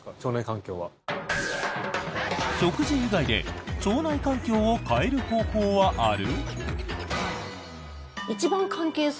食事以外で腸内環境を変える方法はある？